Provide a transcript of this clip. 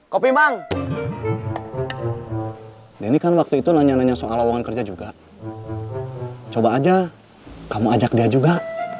kopi bang denny kan waktu itu nanya nanya soal lawangan kerja juga coba aja kamu ajak dia juga